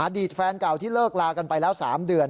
ตแฟนเก่าที่เลิกลากันไปแล้ว๓เดือน